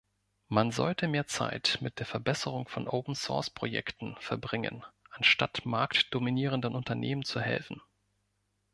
Man sollte mehr Zeit mit der Verbesserung von Open-Source-Projekten verbringen anstatt marktdominierenden Unternehmen zu helfen.